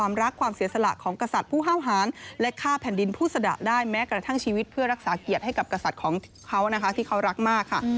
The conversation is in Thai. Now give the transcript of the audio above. แม้กระทั่งชีวิตเพื่อรักษาเกียรติให้กับกษัตริย์ของเขาที่เขารักมากค่ะ